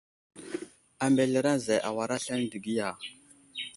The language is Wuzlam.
A mbelereŋ zay awar aslane dəgiya.